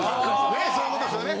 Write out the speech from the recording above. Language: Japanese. そういうことですよね。